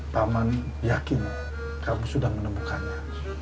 paman yakin kamu sudah menemukannya